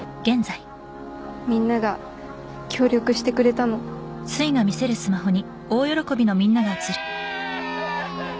みんなが協力してくれたのイエーイ！